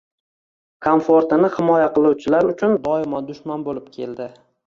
komfortini himoya qiluvchilar uchun doim dushman bo‘lib keldi.